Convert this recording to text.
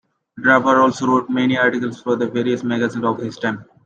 Draper also wrote many articles for the various magazines of his time.